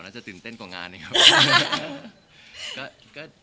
น่าจะตื่นเต้นกว่างานเองครับ